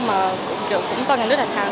mà kiểu cũng do nhà nước đặt hàng